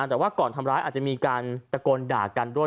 แต่ว่าก่อนทำร้ายอาจจะมีการตะโกนด่ากันด้วย